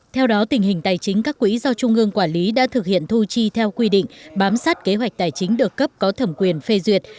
theo đó tình hình tài chính các quỹ do trung ương quản lý đã thực hiện thu chi theo quy định bám sát kế hoạch tài chính được cấp có thẩm quyền phê duyệt